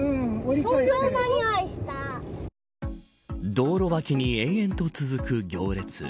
道路脇に延々と続く行列。